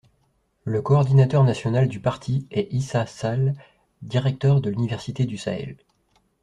Le coordonnateur national du Parti est Issa Sall, directeur de l'Université du Sahel.